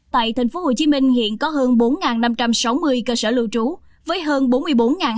tại tp hcm hiện có hơn bốn năm trăm sáu mươi cơ sở lưu trú với hơn bốn mươi bốn hai trăm ba mươi phòng